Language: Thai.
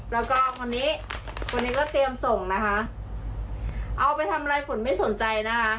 แล้วก็คนนี้คนนี้ก็เตรียมส่งนะคะเอาไปทำอะไรฝนไม่สนใจนะคะ